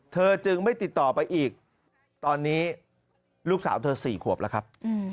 เธอจึงไม่ติดต่อไปอีกตอนนี้ลูกสาวเธอ๔ขวบแล้วครับ